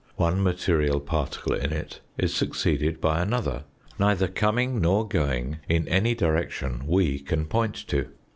One material particle in it is succeeded by another, neither coming nor going in any direction we can point to.